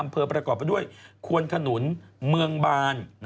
ประกอบไปด้วยควนขนุนเมืองบาน